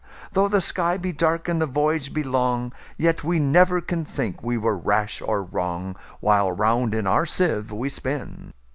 Though the sky be dark, and the voyage be long, Yet we never can think we were rash or wrong, While round in our sieve we spin."